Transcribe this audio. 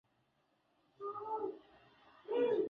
Asante kwa siku ya leo.